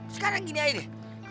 sekarang gini aidee